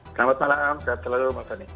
selamat malam sehat selalu